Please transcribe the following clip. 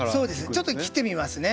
ちょっと切ってみますね。